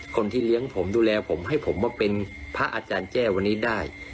คนที่เลี้ยงผมดูแลผมให้ผมมาเป็นพระอาจารย์แจ้วันนี้ได้